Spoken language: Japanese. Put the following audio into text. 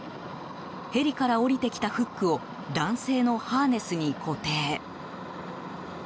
ヘリから降りてきたフックを男性のハーネスに固定。